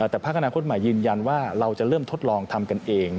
แต่ภาคอนาคตใหม่ยืนยันว่าเราจะเริ่มทดลองทำกันเอง